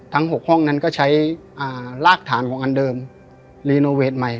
๖ห้องนั้นก็ใช้รากฐานของอันเดิมรีโนเวทใหม่